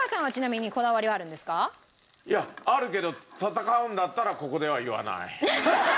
いやあるけど戦うんだったらここでは言わない。